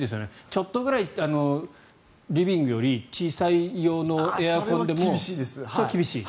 ちょっとぐらいリビングより小さい用のエアコンでもそれは厳しい？